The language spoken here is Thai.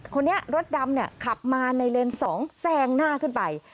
คนนี้รถดำเนี่ยขับมาในเลนส์๒แซงหน้าขึ้นไป